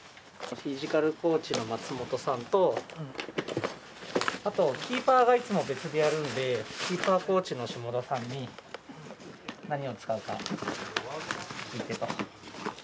フィジカルコーチの松本さんとあとキーパーがいつも別でやるんでキーパーコーチの下田さんに何を使うか聞いてと。